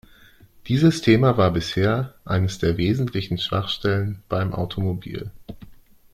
Dieses Thema war bisher eines der wesentlichen Schwachstellen beim Automobil.